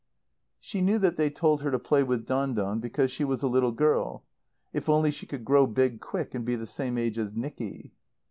She knew that they told her to play with Don Don, because she was a little girl. If only she could grow big quick and be the same age as Nicky.